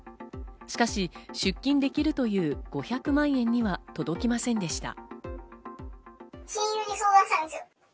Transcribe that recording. しかし出金できるという５００万円には届きませんでした。